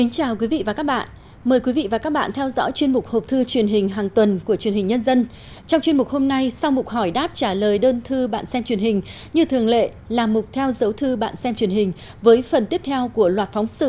chào mừng quý vị đến với bộ phim hãy nhớ like share và đăng ký kênh của chúng mình nhé